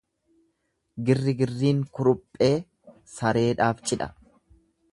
Girrigirriin kuruphee sareedhaaf cidha.